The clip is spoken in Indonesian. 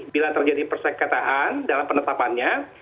bila terjadi persekataan dalam penetapannya